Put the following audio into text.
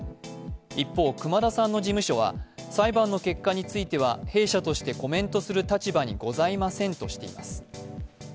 一方、熊田さんの事務所は裁判の結果については弊社としてコメントする立場にございませんとしています。